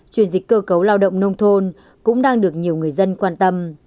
chuyển dịch cơ cấu lao động nông thôn cũng đang được nhiều người dân quan tâm